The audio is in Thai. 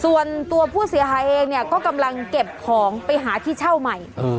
ส่วนตัวผู้เสียหายเองเนี่ยก็กำลังเก็บของไปหาที่เช่าใหม่